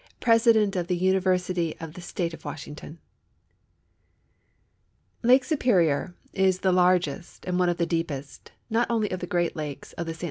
Presiilent of the Vnircrsiti/ of the Sidir of Wnshliii/fnit Lake Superior is tlie larnest and one of tlie deepest, not only of the Great Lakes of the St r.